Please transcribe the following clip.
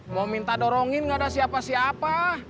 mau minta dorongin nggak ada siapa siapa